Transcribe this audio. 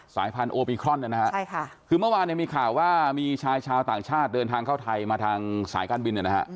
สายพันธุ์โอมิครอนคือเมื่อวานมีข่าวว่ามีชายชาวต่างชาติเดินทางเข้าไทยมาทางสายก้านบิน